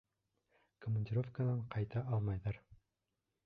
Командировканан ҡайта алмайҙар.